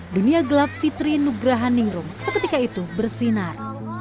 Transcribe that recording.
dunia gelap fitri nugrahan ningrum seketika itu bersinar